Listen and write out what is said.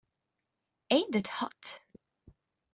Ain't That Hot!